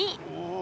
お。